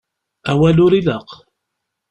Awal ur ilaq.